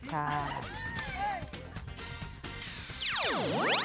เฮ่ย